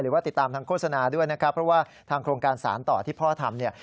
ติดตามทางโฆษณาด้วยนะครับเพราะว่าทางโครงการสารต่อที่พ่อทำเนี่ย